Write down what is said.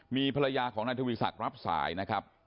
มีภรรยาของนายทวีศักดิ์รับสายนะครับ